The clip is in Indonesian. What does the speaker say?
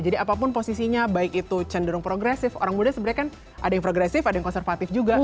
jadi apapun posisinya baik itu cenderung progresif orang muda sebenarnya kan ada yang progresif ada yang konservatif juga